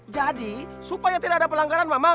jadi supaya tidak ada pelanggaran mak mak